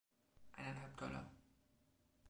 Eineinhalb Dollar!